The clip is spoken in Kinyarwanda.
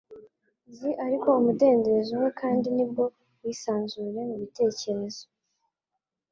Nzi ariko umudendezo umwe kandi ni bwo bwisanzure mu bitekerezo.”